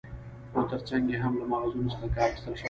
خو تر څنګ يې هم له ماخذونو څخه کار اخستل شوى دى